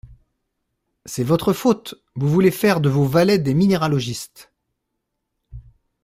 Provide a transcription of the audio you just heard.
C’est votre faute, vous voulez faire de vos valets des minéralogistes…